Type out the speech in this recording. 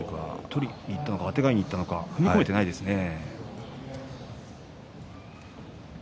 取りにいったのかあてがいにいったのか踏み込めていないですね。